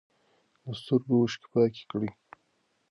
د سترګو اوښکې پاکې کړئ.